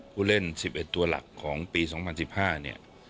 ผู้เล่น๑๑ตัวหลักของปี๒๐๑๕เนี่ย